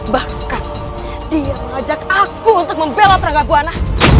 bahkan dia mengajak aku untuk membela terangga buana